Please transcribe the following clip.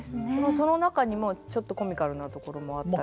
その中にもちょっとコミカルなところもあったり。